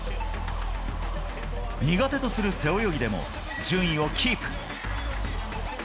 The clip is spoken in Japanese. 苦手とする背泳ぎでも順位をキープ。